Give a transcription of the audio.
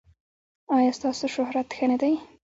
ایا ستاسو شهرت ښه نه دی؟